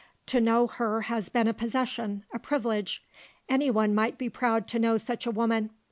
To know her has been a possession, a privilege. Anyone might be proud to know such a woman.